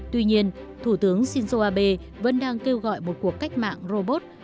tuy nhiên thủ tướng shinzo abe vẫn đang kêu gọi một cuộc cách mạng robot